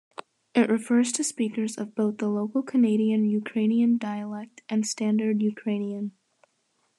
It refers to speakers of both the local Canadian Ukrainian dialect and Standard Ukrainian.